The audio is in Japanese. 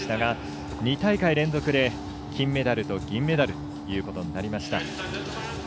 ２大会連続で金メダルと銀メダルとなりました。